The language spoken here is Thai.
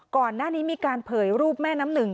ก่อนหน้านี้มีการเผยรูปแม่น้ำหนึ่ง